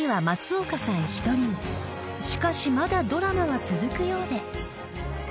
［しかしまだドラマが続くようで］